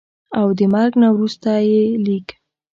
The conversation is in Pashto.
او دَمرګ نه وروستو ئې ليک